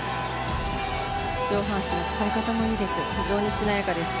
上半身の使い方もいいです